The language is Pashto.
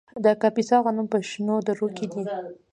د کاپیسا غنم په شنو درو کې دي.